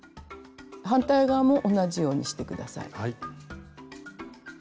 反対側も同じようにして下さい。